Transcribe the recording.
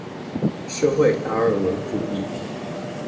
社會達爾文主義